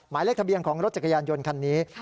หมายเลขทะเบียนของรถจักรยานยนต์คันนี้